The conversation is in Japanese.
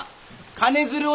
金づるを！